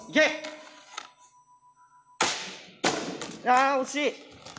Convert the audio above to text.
あ惜しい！